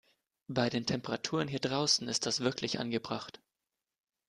Bei den Temperaturen hier draußen ist das wirklich angebracht.